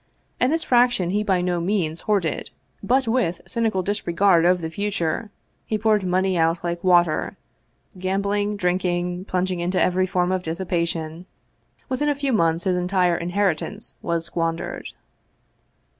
And this fraction he by no means hoarded, but with cynical disregard of the future he poured money out like water, gambling, drinking, plunging into every form of dissipation. Within a few months his entire inheritance was squandered.